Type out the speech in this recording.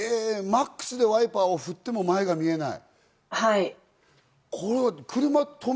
ＭＡＸでワイパーを振っても前が見えない。